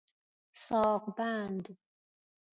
ساق بند